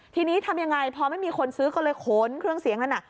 ทีนี้ทำยังไงพอไม่มีคนซื้อก็เลยขนเครื่องเสียงนั้น